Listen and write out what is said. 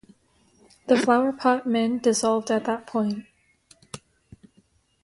The Flower Pot Men dissolved at that point.